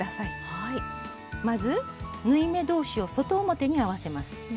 まず縫い目同士を外表に合わせます。